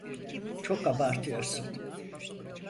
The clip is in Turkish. Çok abartıyorsun.